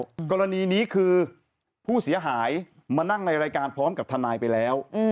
กรณีนี้คือผู้เสียหายมานั่งในรายการพร้อมกับทนายไปแล้วกรณีนี้คือผู้เสียหายมานั่งในรายการพร้อมกับทนายไปแล้ว